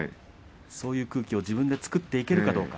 そういう雰囲気を自分で作っていけるか。